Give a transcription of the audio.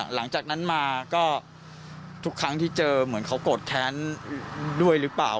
หลังจากนั้นมาก็ทุกครั้งที่เจอเหมือนเขาโกรธแค้นด้วยหรือเปล่า